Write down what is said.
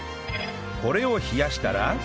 これを冷やしたら